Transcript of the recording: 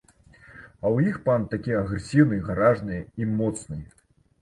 А ў іх панк такі агрэсіўны, гаражны і моцны.